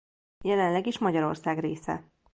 Jelenleg is Magyarország része.